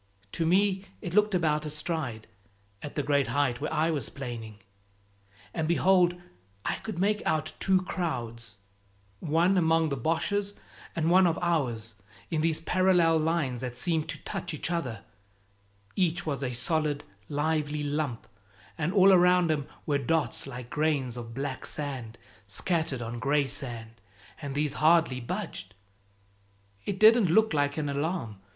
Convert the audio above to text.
To me it looked about a stride, at the great height where I was planing. And behold I could make out two crowds, one among the Boches, and one of ours, in these parallel lines that seemed to touch each other; each was a solid, lively lump, and all around 'em were dots like grains of black sand scattered on gray sand, and these hardly budged it didn't look like an alarm!